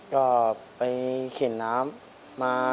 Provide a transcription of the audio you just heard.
ก็ไปเข็นน้ำมา